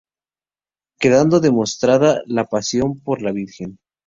Quedando demostrada la pasión por la Virgen.